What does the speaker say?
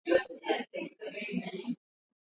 masimo busaka mara baada ya mpambano wao na fc bercelona